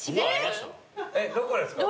どこですか？